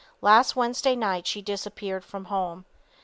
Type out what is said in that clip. Last Wednesday night she disappeared from home.